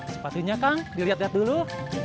sepatunya kang dilihat lihat dulu